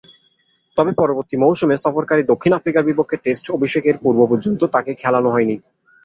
তবে, পরবর্তী মৌসুমে সফরকারী দক্ষিণ আফ্রিকার বিপক্ষে টেস্ট অভিষেকের পূর্ব-পর্যন্ত তাকে খেলানো হয়নি।